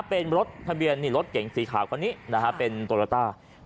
เป็นรถทะเบียนรถเก่งสีขาวกว่านี้นะฮะเป็นตัวละต้า